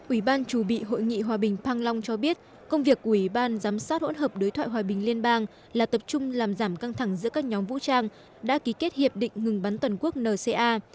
ủy ban chủ bị hội nghị hòa bình pang long cho biết công việc của ủy ban giám sát hỗn hợp đối thoại hòa bình liên bang là tập trung làm giảm căng thẳng giữa các nhóm vũ trang đã ký kết hiệp định ngừng bắn toàn quốc nca